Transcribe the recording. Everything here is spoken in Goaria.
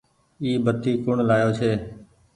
اي بتي ڪوڻ لآيو ڇي۔